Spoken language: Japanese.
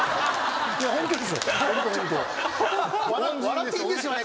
笑っていいんですよね？